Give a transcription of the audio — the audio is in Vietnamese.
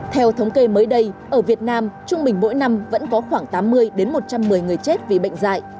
theo thống kê mới đây ở việt nam trung bình mỗi năm vẫn có khoảng tám mươi một trăm một mươi người chết vì bệnh dạy